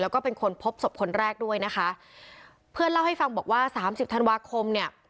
แล้วก็เป็นคนพบศพคนแรกด้วยนะคะเพื่อนเล่าให้ฟังบอกว่าสามสิบธันวาคมเนี่ย